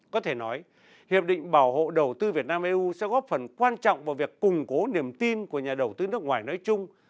có thể nói hiệp định bảo hộ đầu tư việt nam eu sẽ góp phần quan trọng vào việc củng cố niềm tin của nhà đầu tư nước ngoài nói chung